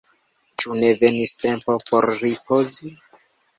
ĉu ne venis tempo por ripozi?